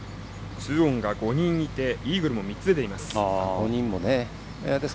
２オンが５人いてイーグルも出ています。